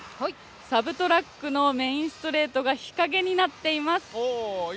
サブトラックのメインストレートが日陰になっています。